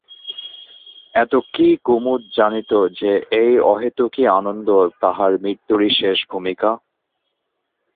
এত কি কুমুদ জানিত যে এই অহেতুকি আনন্দ তাহার মৃত্যুরই শেষ ভূমিকা?